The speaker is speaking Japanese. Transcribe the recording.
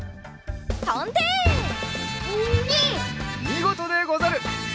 みごとでござる！